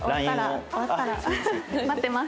待ってます。